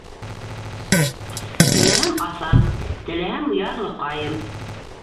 Теләһәм - аҫам, теләһәм - ярлыҡайым!